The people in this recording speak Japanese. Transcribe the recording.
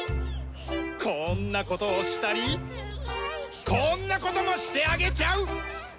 こんなことをしたりこんなこともしてあげちゃう！